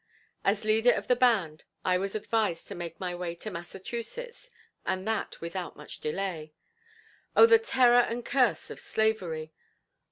As leader of the band, I was advised to make my way into Massachusetts, and that without much delay. "O the terror and curse of Slavery!"